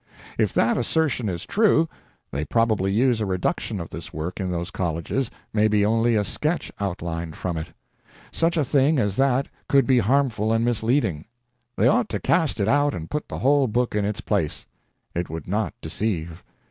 If that assertion is true, they probably use a reduction of this work in those colleges, maybe only a sketch outlined from it. Such a thing as that could be harmful and misleading. They ought to cast it out and put the whole book in its place. It would not deceive.